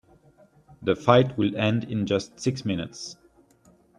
The fight will end in just six minutes.